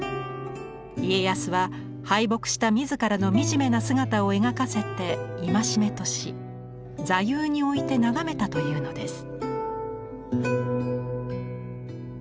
家康は敗北した自らの惨めな姿を描かせて戒めとし座右に置いて眺めたというのです。